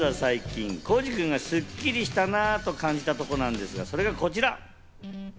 まずは最近、浩次君がスッキリしたなと感じたところなんですが、それがこちら。